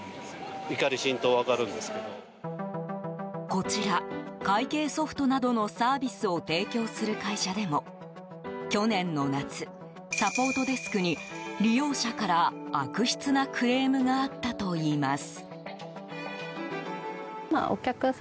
こちら、会計ソフトなどのサービスを提供する会社でも去年の夏、サポートデスクに利用者から悪質なクレームがあったといいます。